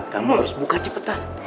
kamu harus buka cepetan